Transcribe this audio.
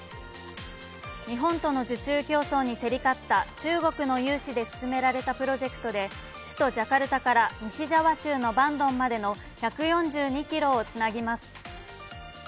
日本との受注競争に競り勝った中国の融資で進められたプロジェクトで首都ジャカルタから西ジャワ州のバンドンまでの１４２ｋｍをつなぎます。